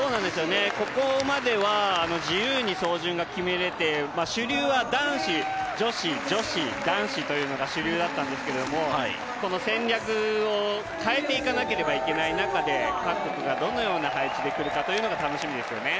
ここまでは自由に走順が決められて男子、女子、女子、男子というのが主流だったんですけど戦略を変えていかなければいけない中で各国がどのような配置で来るかというのが楽しみですよね。